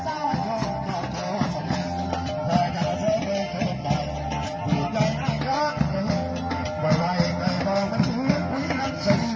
เมื่อเวลาเท่านั้นอย่าใจที่คุกอย่างหรือที่อาหารกลับมาเพื่อได้รันเท่านั้นที่สุด